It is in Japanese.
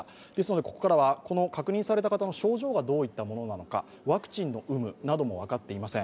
ここからは確認された方の症状がどういったものなのか、ワクチンの有無なども分かっていません。